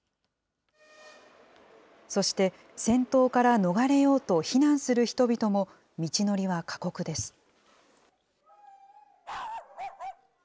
そして戦闘から逃れようと避難する人々も、道のりは過酷です。